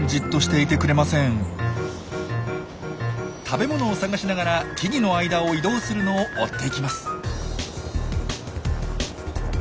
食べ物を探しながら木々の間を移動するのを追っていきます。